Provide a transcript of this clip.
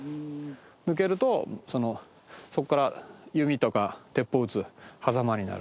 抜けるとそこから弓とか鉄砲を撃つ狭間になる。